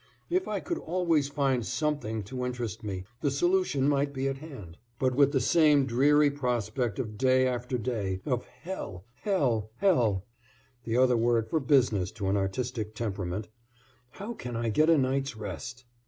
If I could always find something to interest me the solution might be at hand, but with the same dreary prospect of day after day of hell, hell, hell (the other word for business to an artistic temperament), how can I get a night's rest?